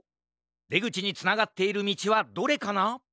でぐちにつながっているみちはどれかな？